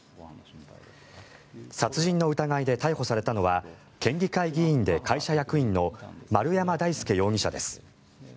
殺人の疑いで逮捕されたのは県議会議員で会社役員の丸山大輔容疑者です。